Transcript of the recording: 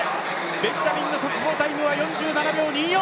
ベンジャミンの速報タイムは４７秒２４。